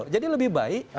jadi lebih baik